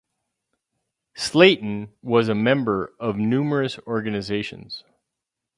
Slayton was a member of numerous organizations.